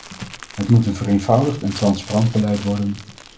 Het moet een vereenvoudigd en transparant beleid worden.